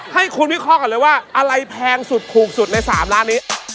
ให้คุณพิภาพกันเลยว่าอะไรแพงสุดภูมิสุดใน๓ร้านนี้